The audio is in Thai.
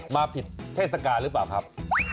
มาผิดเทศกาลหรือเปล่าครับ